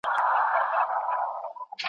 څه خبر وي چي پر نورو څه تیریږي ,